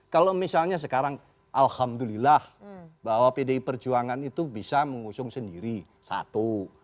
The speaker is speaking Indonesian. kalau misalnya sekarang alhamdulillah bahwa pdi perjuangan itu bisa mengusung sendiri satu